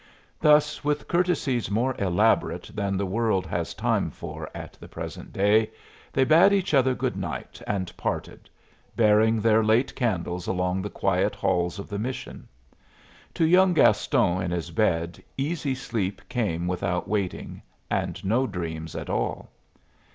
Thus, with courtesies more elaborate than the world has time for at the present day, they bade each other good night and parted, bearing their late candles along the quiet halls of the mission. To young Gaston in his bed easy sleep came without waiting, and no dreams at all.